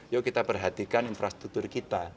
yuk kita perhatikan infrastruktur kita